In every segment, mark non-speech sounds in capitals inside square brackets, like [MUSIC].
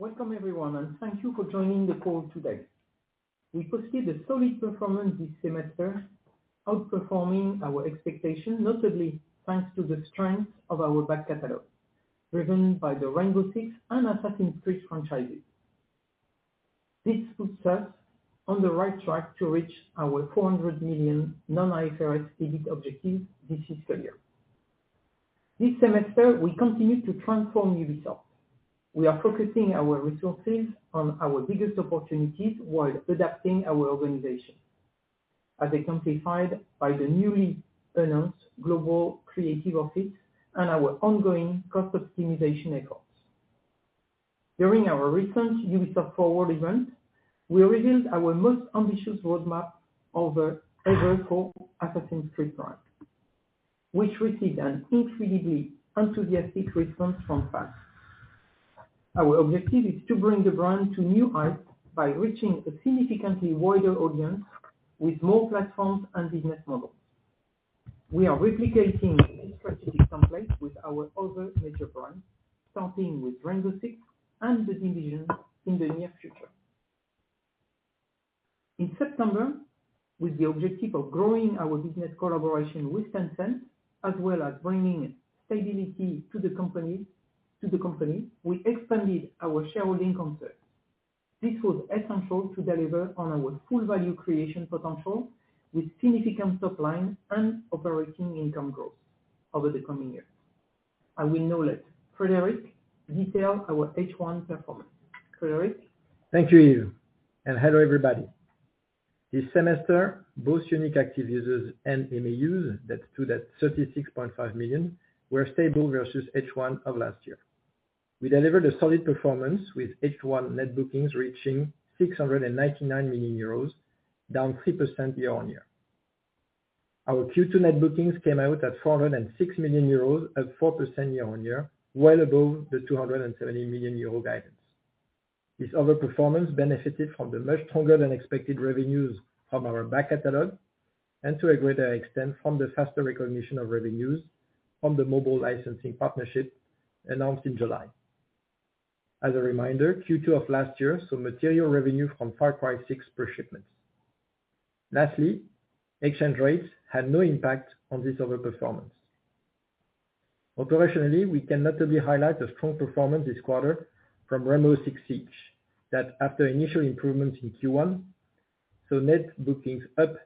Welcome everyone, and thank you for joining the call today. We foresee the solid performance this semester, outperforming our expectations, notably thanks to the strength of our back catalog, driven by the Rainbow Six and Assassin's Creed franchises. This puts us on the right track to reach our 400 million non-IFRS EBIT objectives this fiscal year. This semester, we continue to transform Ubisoft. We are focusing our resources on our biggest opportunities while adapting our organization, as exemplified by the newly announced global creative office and our ongoing cost optimization efforts. During our recent Ubisoft Forward event, we revealed our most ambitious roadmap ever for Assassin's Creed brand, which received an incredibly enthusiastic response from fans. Our objective is to bring the brand to new heights by reaching a significantly wider audience with more platforms and business models. We are replicating this strategic template with our other major brands, starting with Rainbow Six and The Division in the near future. In September, with the objective of growing our business collaboration with Tencent, as well as bringing stability to the company, we expanded our shareholding concept. This was essential to deliver on our full value creation potential with significant top line and operating income growth over the coming year. I will now let Frédérick detail our H1 performance. Frédérick? Thank you, Yves, and hello, everybody. This semester, both unique active users and MAUs, that stood at 36.5 million, were stable versus H1 of last year. We delivered a solid performance with H1 net bookings reaching 699 million euros, down 3% year-on-year. Our Q2 net bookings came out at 406 million euros at 4% year-on-year, well above the 270 million euro guidance. This overperformance benefited from the much stronger than expected revenues from our back catalog, and to a greater extent, from the faster recognition of revenues from the mobile licensing partnership announced in July. As a reminder, Q2 of last year saw material revenue from Far Cry 6 pre-shipments. Lastly, exchange rates had no impact on this overperformance. Operationally, we can notably highlight the strong performance this quarter from Rainbow Six Siege that, after initial improvements in Q1, saw net bookings up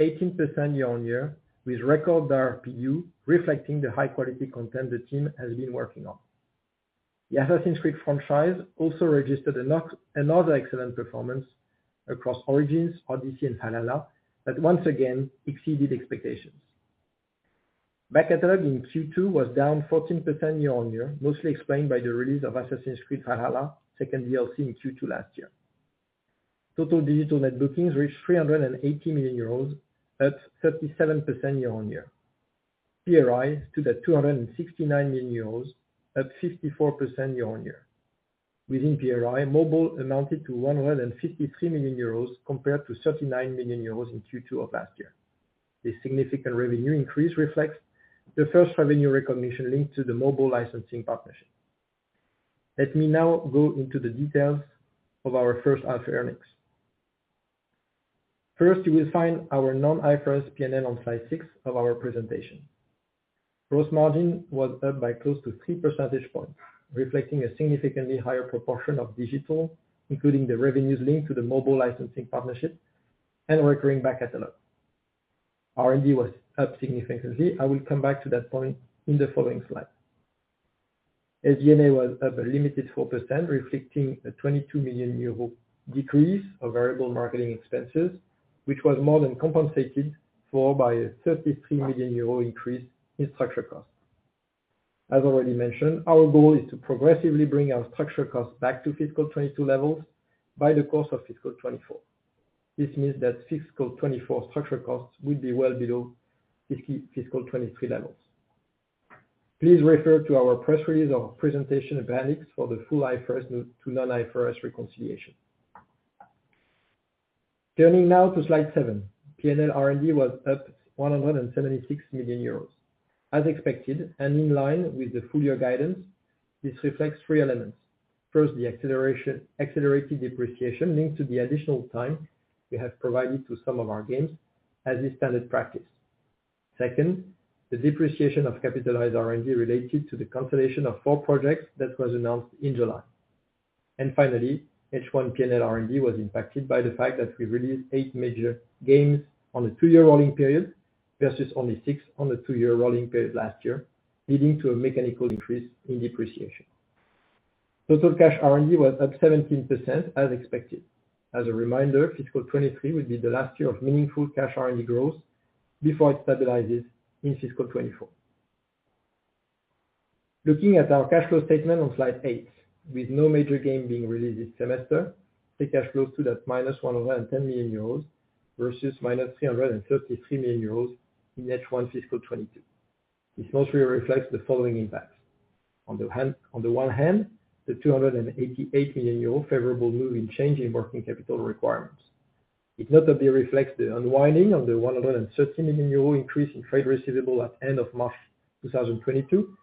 18% year-on-year, with record ARPU reflecting the high-quality content the team has been working on. The Assassin's Creed franchise also registered another excellent performance across Origins, Odyssey, and Valhalla that once again exceeded expectations. Back catalog in Q2 was down 14% year-on-year, mostly explained by the release of Assassin's Creed Valhalla second DLC in Q2 last year. Total digital net bookings reached 380 million euros at 37% year-on-year. PRI stood at 269 million euros at 54% year-on-year. Within PRI, mobile amounted to 153 million euros compared to 39 million euros in Q2 of last year. This significant revenue increase reflects the first revenue recognition linked to the mobile licensing partnership. Let me now go into the details of our H1 earnings. First, you will find our non-IFRS P&L on slide six of our presentation. Gross margin was up by close to three percentage points, reflecting a significantly higher proportion of digital, including the revenues linked to the mobile licensing partnership and recurring back catalog. R&D was up significantly. I will come back to that point in the following slide. SG&A was up a limited 4%, reflecting a 2022 million euro decrease of variable marketing expenses, which was more than compensated for by a 33 million euro increase in structural costs. As already mentioned, our goal is to progressively bring our structural costs back to fiscal 2022 levels by the course of fiscal 2024. This means that fiscal 2024 structural costs will be well below fiscal 2023 levels. Please refer to our press release or presentation appendix for the full IFRS to non-IFRS reconciliation. Turning now to slide seven. P&L R&D was up 176 million euros. As expected and in line with the full year guidance, this reflects three elements. First, accelerated depreciation linked to the additional time we have provided to some of our games as is standard practice. Second, the depreciation of capitalized R&D related to the cancellation of four projects that was announced in July. Finally, H1 P&L R&D was impacted by the fact that we released eight major games on a two-year rolling period, versus only six on the two-year rolling period last year, leading to a mechanical increase in depreciation. Total cash R&D was up 17% as expected. As a reminder, fiscal 2023 will be the last year of meaningful cash R&D growth before it stabilizes in fiscal 2024. Looking at our cash flow statement on slide eight, with no major game being released this semester, free cash flow stood at -110 million euros versus -333 million euros in H1 fiscal 2022. This mostly reflects the following impacts. On the one hand, the 288 million euro favorable move in change in working capital requirements. It notably reflects the unwinding of the 113 million euro increase in trade receivable at end of March 2022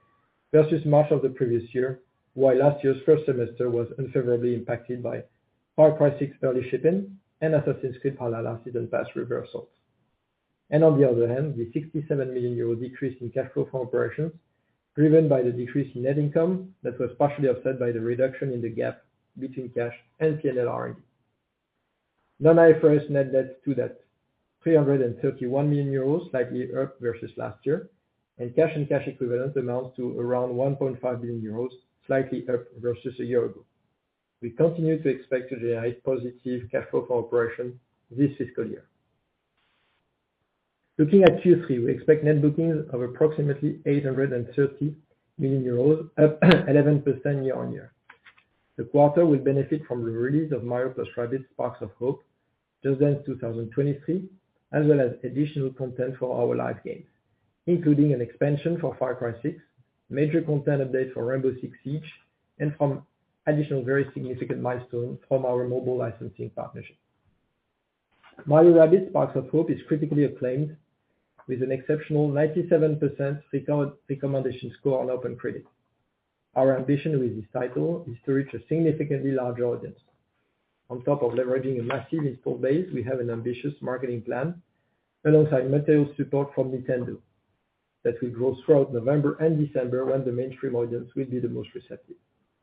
versus March of the previous year, while last year's first semester was unfavorably impacted by Far Cry 6 early shipping and Assassin's Creed Valhalla season pass reversals. On the other hand, the 67 million euro decrease in cash flow from operations, driven by the decrease in net income that was partially offset by the reduction in the gap between cash and P&L already. Non-IFRS net debt stood at 331 million euros, slightly up versus last year, and cash and cash equivalents amount to around 1.5 billion euros, slightly up versus a year ago. We continue to expect a high positive cash flow from operations this fiscal year. Looking at Q3, we expect net bookings of approximately 830 million euros, up 11% year-over-year. The quarter will benefit from the release of Mario + Rabbids Sparks of Hope, Just Dance 2023 Edition, as well as additional content for our live games, including an expansion for Far Cry 6, major content updates for Rainbow Six Siege, and from additional very significant milestones from our mobile licensing partnership. Mario + Rabbids Sparks of Hope is critically acclaimed with an exceptional 97% recommendation score on OpenCritic. Our ambition with this title is to reach a significantly larger audience. On top of leveraging a massive install base, we have an ambitious marketing plan alongside material support from Nintendo that will grow throughout November and December, when the mainstream audience will be the most receptive.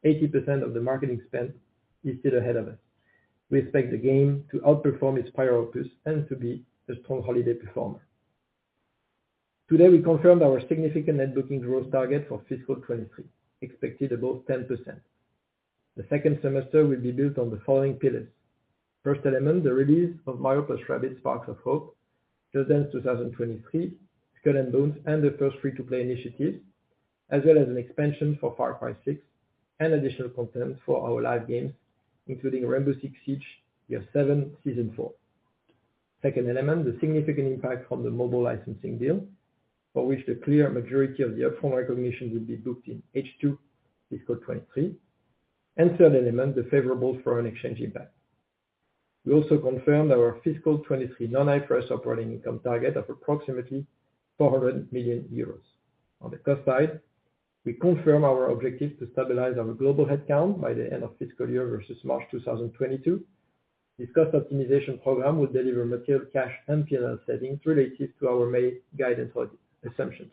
80% of the marketing spend is still ahead of us. We expect the game to outperform its prior opus and to be a strong holiday performer. Today, we confirmed our significant net booking growth target for fiscal 2023, expected above 10%. The second semester will be built on the following pillars. First element, the release of Mario + Rabbids Sparks of Hope, Just Dance 2023, Skull and Bones, and the first free-to-play initiatives, as well as an expansion for Far Cry 6 and additional content for our live games, including Rainbow Six Siege, year 7, season 4. Second element, the significant impact from the mobile licensing deal, for which the clear majority of the up-front recognition will be booked in H2 fiscal 2023. Third element, the favorable foreign exchange impact. We also confirmed our fiscal 2023 non-IFRS operating income target of approximately 400 million euros. On the cost side, we confirm our objective to stabilize our global headcount by the end of fiscal year versus March 2022. This cost optimization program will deliver material cash and P&L savings related to our main guidance assumptions.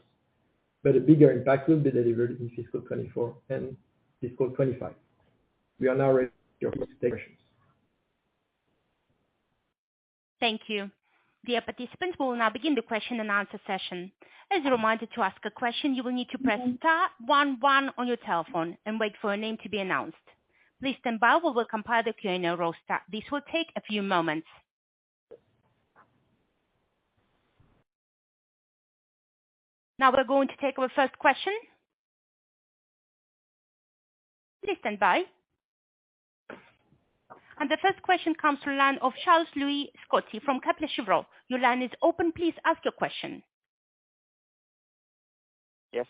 A bigger impact will be delivered in fiscal 2024 and fiscal 2025. We are now ready for your first questions. Thank you. Dear participants, we will now begin the question-and-answer session. As a reminder, to ask a question, you will need to press star one one on your telephone and wait for your name to be announced. Please stand by while we compile the Q&A roster. This will take a few moments. Now we're going to take our first question. Please stand by. The first question comes from the line of Charles-Louis Scotti from Kepler Cheuvreux. Your line is open. Please ask your question. Yes,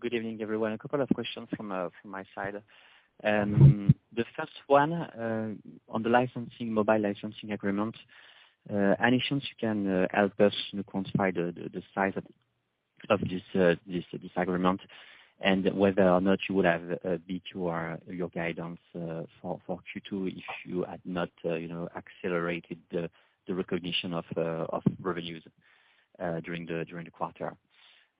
good evening everyone. A couple of questions from my side. The first one on the licensing, mobile licensing agreement. Any chance you can help us quantify the size of this agreement and whether or not you would have beat your guidance for Q2 if you had not you know accelerated the recognition of revenues during the quarter?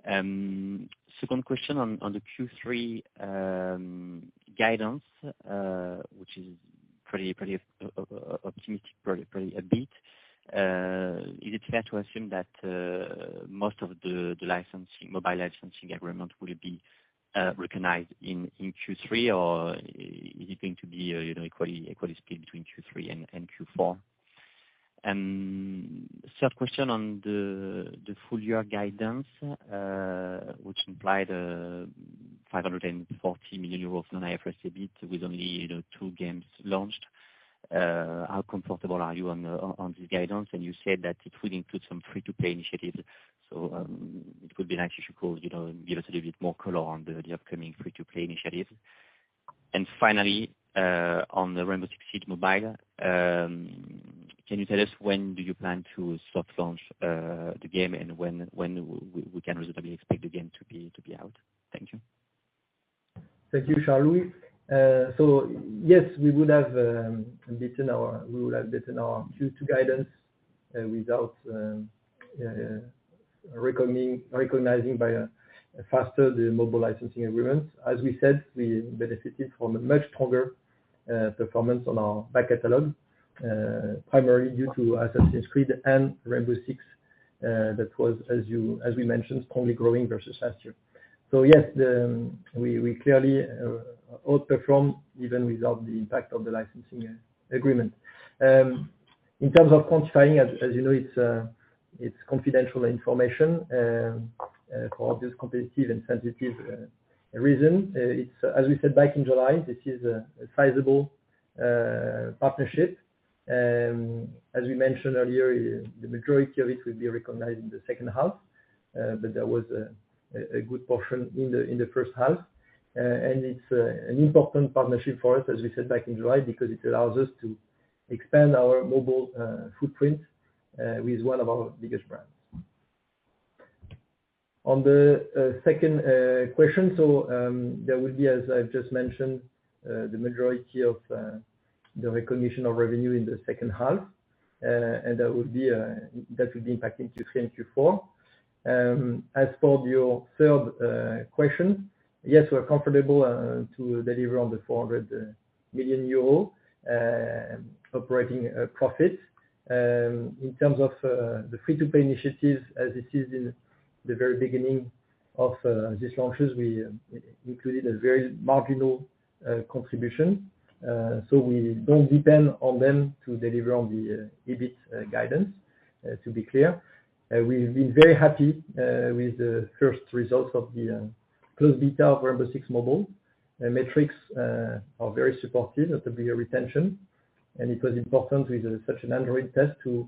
Second question on the Q3 guidance, which is pretty optimistic, probably a bit. Is it fair to assume that most of the licensing, mobile licensing agreement will be recognized in Q3, or is it going to be you know equally split between Q3 and Q4? Third question on the full year guidance, which implied 540 million euros non-IFRS EBIT with only, you know, two games launched. How comfortable are you on this guidance? You said that it will include some free-to-play initiatives, so it would be nice if you could, you know, give us a little bit more color on the upcoming free-to-play initiatives. Finally, on the Rainbow Six Siege Mobile, can you tell us when you plan to soft launch the game and when we can reasonably expect the game to be out? Thank you. Thank you, Charles-Louis. Yes, we would have beaten our Q2 guidance without recognizing a bit faster the mobile licensing agreements. As we said, we benefited from a much stronger performance on our back catalog, primarily due to Assassin's Creed and Rainbow Six. That was, as we mentioned, only growing versus last year. Yes, we clearly outperformed even without the impact of the licensing agreement. In terms of quantifying, as you know, it's confidential information for this competitive and sensitive reason. It's, as we said back in July, this is a sizable partnership. As we mentioned earlier, the majority of it will be recognized in the H2, but there was a good portion in the H1. It's an important partnership for us, as we said back in July, because it allows us to expand our mobile footprint with one of our biggest brands. On the second question, there will be, as I've just mentioned, the majority of the recognition of revenue in the H2, and that would be impacting Q3 and Q4. As for your third question, yes, we're comfortable to deliver on the 400 million euro operating profit. In terms of the free-to-play initiatives, as this is in the very beginning of these launches, we included a very marginal contribution. We don't depend on them to deliver on the EBIT guidance, to be clear. We've been very happy with the first results of the closed beta of Rainbow Six Mobile. The metrics are very supportive of the retention, and it was important with such an Android test to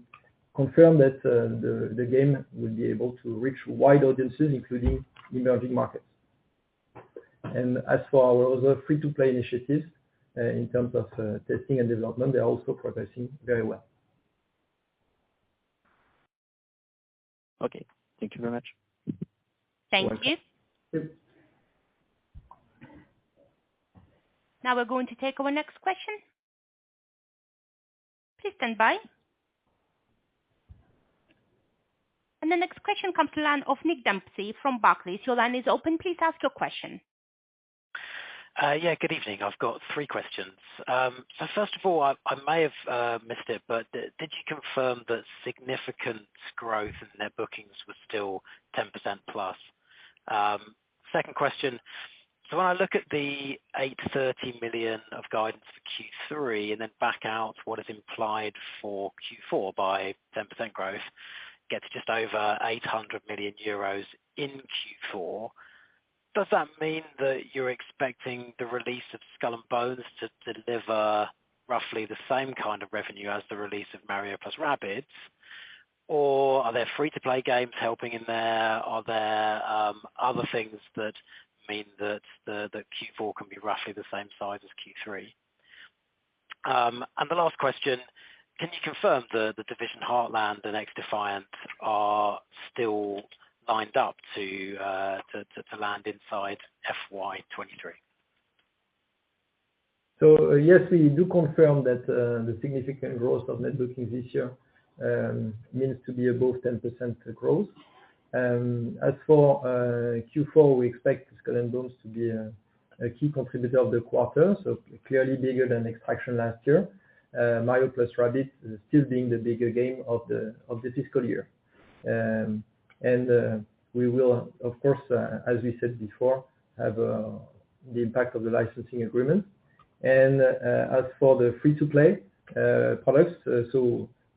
confirm that the game will be able to reach wide audiences, including emerging markets. As for our other free-to-play initiatives, in terms of testing and development, they're also progressing very well. Okay, thank you very much. Thank you. [CROSSTALK] Now we're going to take our next question. Please stand by. The next question comes to the line of Nick Dempsey from Barclays. Your line is open. Please ask your question. Yeah, good evening. I've got three questions. First of all, I may have missed it, but did you confirm that significant growth in net bookings was still 10%+? Second question: When I look at the 830 million of guidance for Q3 and then back out what is implied for Q4 by 10% growth, gets just over 800 million euros in Q4. Does that mean that you're expecting the release of Skull and Bones to deliver roughly the same kind of revenue as the release of Mario + Rabbids? Or are there free-to-play games helping in there? Are there other things that mean that Q4 can be roughly the same size as Q3? The last question: Can you confirm the Division Heartland and XDefiant are still lined up to land inside FY 2023? Yes, we do confirm that the significant growth of net bookings this year means to be above 10% growth. As for Q4, we expect Skull & Bones to be a key contributor of the quarter, so clearly bigger than Extraction last year. Mario + Rabbids still being the bigger game of the fiscal year. We will of course, as we said before, have the impact of the licensing agreement. As for the free-to-play products,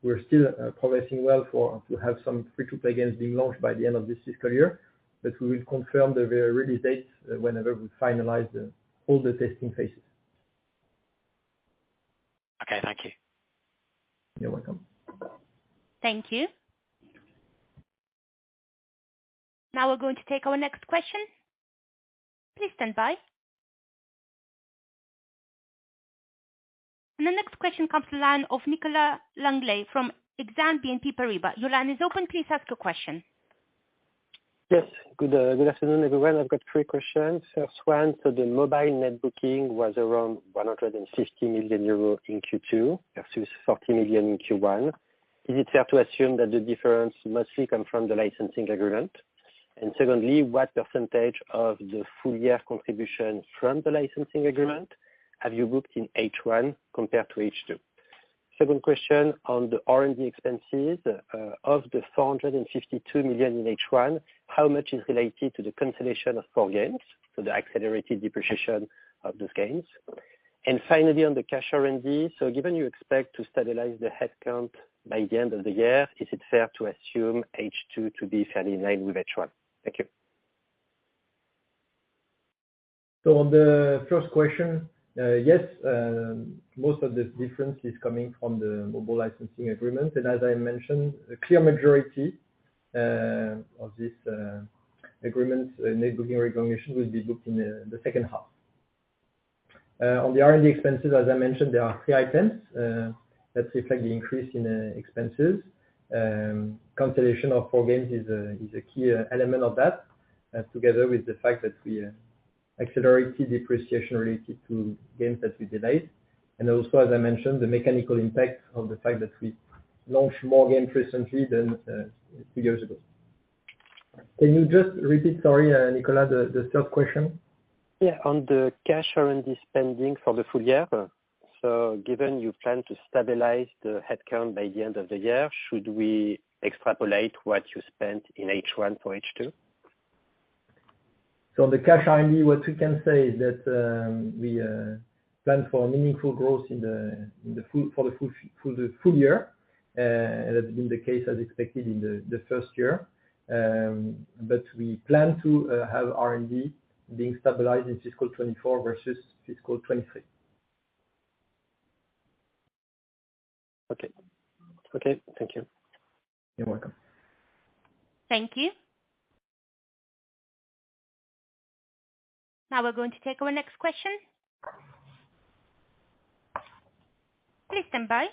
we're still progressing well to have some free-to-play games being launched by the end of this fiscal year. We will confirm the release dates whenever we finalize all the testing phases. Okay. Thank you. You're welcome. Thank you. Now we're going to take our next question. Please stand by. The next question comes to the line of Nicolas Langlet from Exane BNP Paribas. Your line is open. Please ask your question. Yes. Good afternoon everyone. I've got three questions. First one: The mobile net booking was around 160 million euros in Q2 versus 40 million in Q1. Is it fair to assume that the difference mostly come from the licensing agreement? Secondly, what percentage of the full year contribution from the licensing agreement have you booked in H1 compared to H2? Second question on the R&D expenses: Of the 452 million in H1, how much is related to the cancellation of four games, so the accelerated depreciation of those gains? Finally, on the cash R&D: Given you expect to stabilize the headcount by the end of the year, is it fair to assume H2 to be fairly in line with H1? Thank you. On the first question, yes, most of the difference is coming from the mobile licensing agreement. As I mentioned, a clear majority of this agreement net booking recognition will be booked in the H2. On the R&D expenses, as I mentioned, there are three items that reflect the increase in expenses. Cancellation of four games is a key element of that, together with the fact that we accelerated depreciation related to games that we delayed. Also, as I mentioned, the mechanical impact of the fact that we launched more games recently than two years ago. Can you just repeat, sorry, Nicolas, the third question? Yeah, on the cash R&D spending for the full year. Given you plan to stabilize the headcount by the end of the year, should we extrapolate what you spent in H1 for H2? On the cash R&D, what we can say is that we plan for meaningful growth in the full year. That's been the case as expected in the first year. We plan to have R&D being stabilized in fiscal 2024 versus fiscal 2023. Okay, thank you. You're welcome. Thank you. Now we're going to take our next question. Please stand by.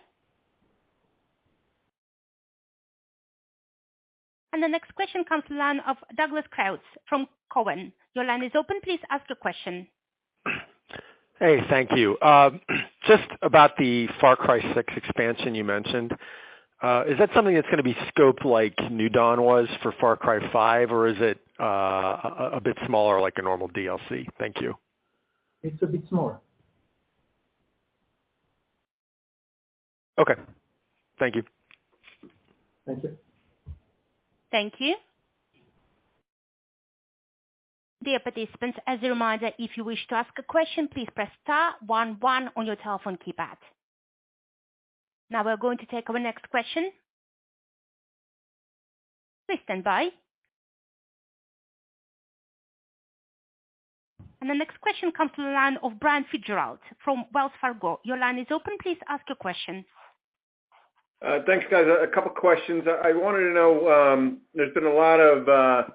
The next question comes to line of Douglas Creutz from Cowen. Your line is open. Please ask the question. Hey, thank you. Just about the Far Cry 6 expansion you mentioned, is that something that's gonna be scoped like New Dawn was for Far Cry 5? Or is it a bit smaller like a normal DLC? Thank you. It's a bit smaller. Okay. Thank you. Thank you. Thank you. Dear participants, as a reminder, if you wish to ask a question, please press star one one on your telephone keypad. Now we're going to take our next question. Please stand by. The next question comes to the line of Brian Fitzgerald from Wells Fargo. Your line is open. Please ask your question. Thanks guys. A couple questions. I wanted to know, there's been a lot of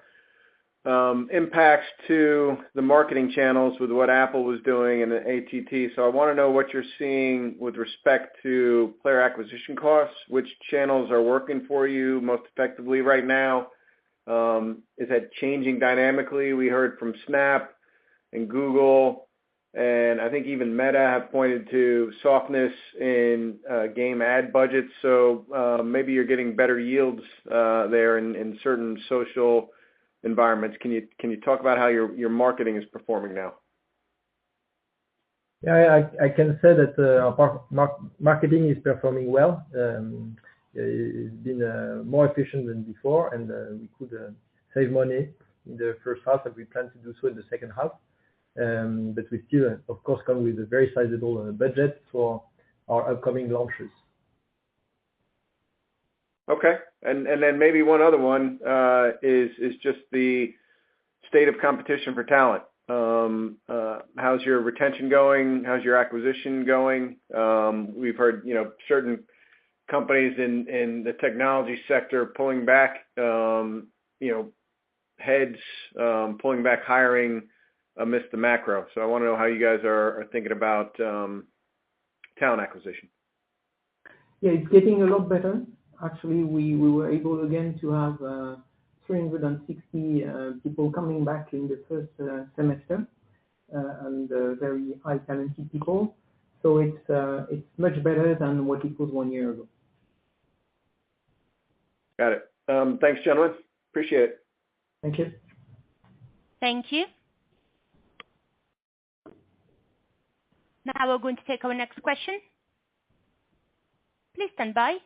impacts to the marketing channels with what Apple was doing and the ATT, so I wanna know what you're seeing with respect to player acquisition costs, which channels are working for you most effectively right now? Is that changing dynamically? We heard from Snap and Google, and I think even Meta have pointed to softness in game ad budgets, so maybe you're getting better yields there in certain social environments. Can you talk about how your marketing is performing now? Yeah. I can say that our marketing is performing well. It's been more efficient than before, and we could save money in the H1, and we plan to do so in the H2. We still, of course, come with a very sizable budget for our upcoming launches. Okay. Maybe one other one is just the state of competition for talent. How's your retention going? How's your acquisition going? We've heard, you know, certain companies in the technology sector pulling back heads, pulling back hiring amidst the macro. I wanna know how you guys are thinking about talent acquisition. Yeah. It's getting a lot better. Actually, we were able again to have 360 people coming back in the first semester and very highly talented people. It's much better than what it was one year ago. Got it. Thanks, gentlemen. Appreciate it. Thank you. Thank you. Now we're going to take our next question. Please stand by.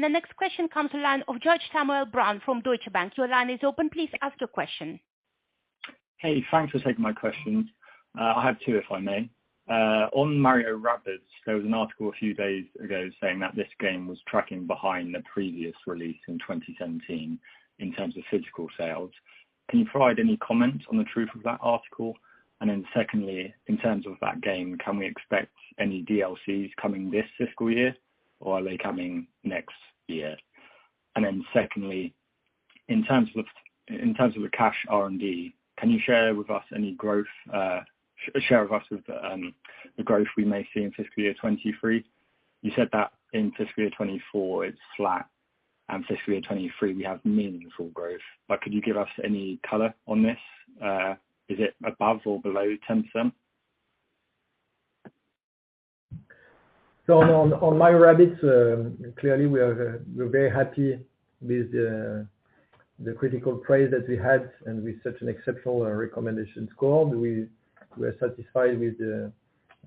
The next question comes to line of George Samuel Brown from Deutsche Bank. Your line is open. Please ask your question. Hey, thanks for taking my questions. I have two, if I may. On Mario Rabbids, there was an article a few days ago saying that this game was tracking behind the previous release in 2017 in terms of physical sales. Can you provide any comment on the truth of that article? Then secondly, in terms of that game, can we expect any DLCs coming this fiscal year, or are they coming next year? Then secondly, in terms of the cash R&D, can you share with us the growth we may see in fiscal year 2023? You said that in fiscal year 2024 it's flat, and fiscal year 2023 we have meaningful growth. Could you give us any color on this? Is it above or below 10%? On Mario + Rabbids, clearly we're very happy with the critical praise that we had and with such an exceptional recommendation score. We're satisfied with the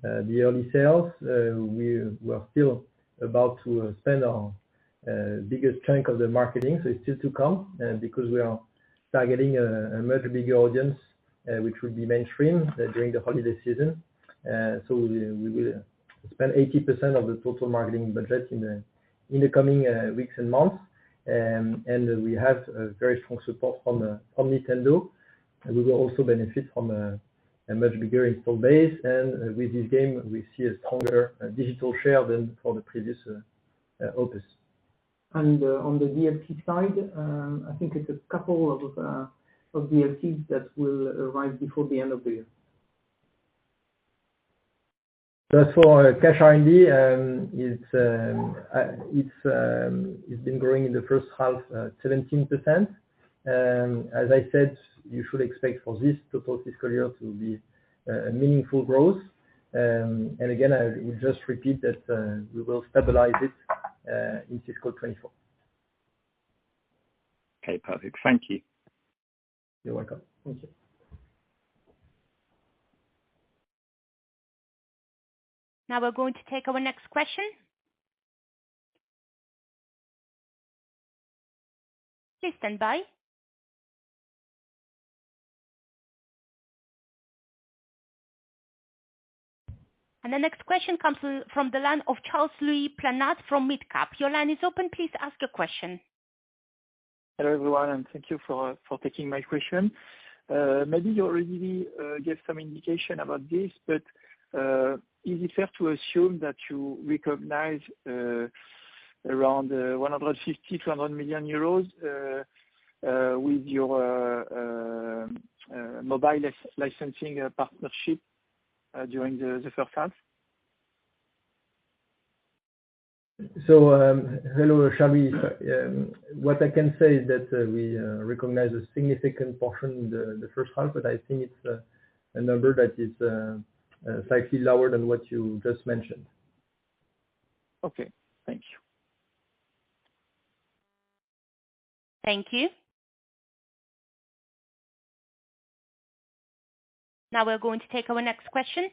early sales. We're still about to spend our biggest chunk of the marketing, so it's still to come, because we're targeting a much bigger audience, which will be mainstream during the holiday season. We're going to spend 80% of the total marketing budget in the coming weeks and months. We have a very strong support from Nintendo. We'll also benefit from a much bigger install base. With this game, we see a stronger digital share than for the previous opus. On the DLC side, I think it's a couple of DLCs that will arrive before the end of the year. Just for cash R&D, it's been growing in the H1 17%. As I said, you should expect for this total fiscal year to be a meaningful growth. Again, I will just repeat that, we will stabilize it in fiscal 2024. Okay. Perfect. Thank you. You're welcome. Thank you. Now we're going to take our next question. Please stand by. The next question comes from the line of Charles-Louis Planade from MidCap. Your line is open. Please ask your question. Hello everyone, and thank you for taking my question. Maybe you already gave some indication about this, but is it fair to assume that you recognize around 150 million-200 million euros with your mobile licensing partnership during the H1? Hello, Charlie. What I can say is that we recognize a significant portion in the H1, but I think it's a number that is slightly lower than what you just mentioned. Okay. Thank you. Thank you. Now we're going to take our next question.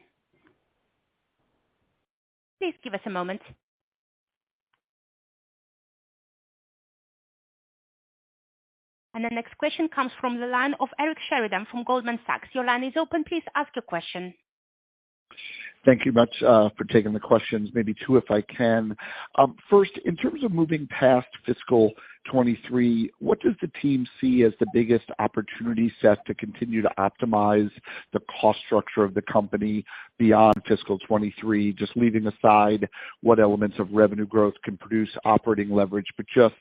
Please give us a moment. The next question comes from the line of Eric Sheridan from Goldman Sachs. Your line is open. Please ask your question. Thank you much for taking the questions. Maybe two, if I can. First, in terms of moving past fiscal 2023, what does the team see as the biggest opportunity set to continue to optimize the cost structure of the company beyond fiscal 2023? Just leaving aside what elements of revenue growth can produce operating leverage, but just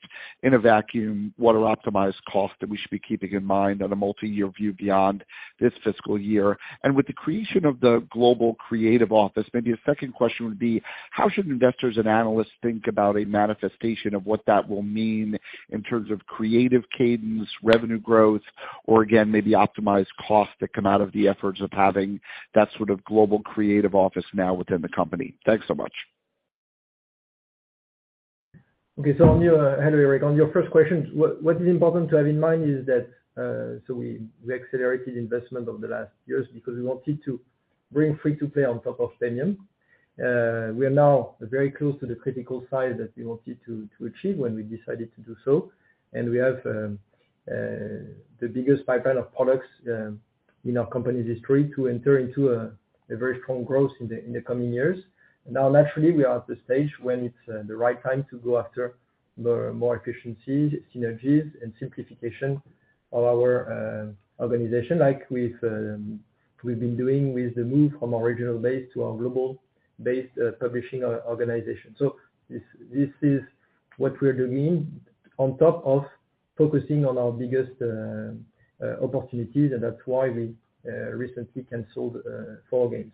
in a vacuum, what are optimized costs that we should be keeping in mind on a multi-year view beyond this fiscal year? With the creation of the global creative office, maybe a second question would be, how should investors and analysts think about a manifestation of what that will mean in terms of creative cadence, revenue growth, or again, maybe optimized costs that come out of the efforts of having that sort of global creative office now within the company? Thanks so much. Okay. On your first question, what is important to have in mind is that, so we accelerated investment over the last years because we wanted to bring free to play on top of premium. We are now very close to the critical size that we wanted to achieve when we decided to do so. We have the biggest pipeline of products in our company's history to enter into a very strong growth in the coming years. Now, naturally, we are at the stage when it's the right time to go after more efficiency, synergies and simplification of our organization, like with we've been doing with the move from our regional base to our global base, publishing organization. This is what we're doing on top of focusing on our biggest opportunities, and that's why we recently canceled four games.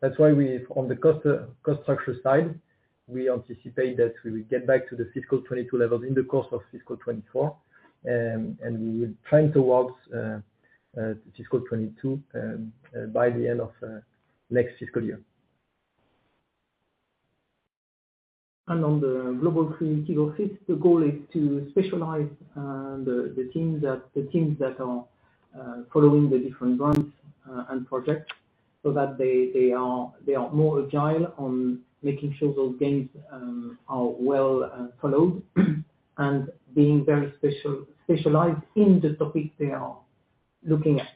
That's why, on the cost structure side, we anticipate that we will get back to the fiscal 2022 levels in the course of fiscal 2024. We will trend towards fiscal 2022 by the end of next fiscal year. On the global creative office, the goal is to specialize the teams that are following the different brands and projects so that they are more agile on making sure those games are well followed and being very specialized in the topics they are looking at.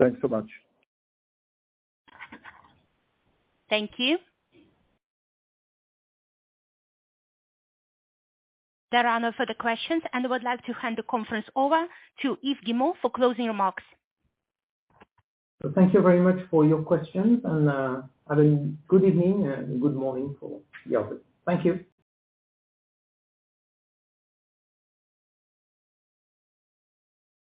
Thanks so much. Thank you. There are no further questions, and I would like to hand the conference over to Yves Guillemot for closing remarks. Thank you very much for your questions and have a good evening and good morning for the others. Thank you.